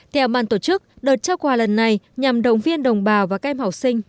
theo bàn tổ chức đợt trao quà lần này nhằm động viên đồng bào và các em học sinh